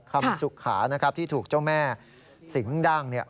คำสุขาที่ถูกเจ้าแม่สิงฆ์ดั้ง